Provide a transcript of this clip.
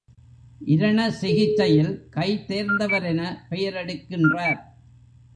இரண சிகிச்சையில் கைதேர்ந்தவரென பெயரெடுக்கின்றார்.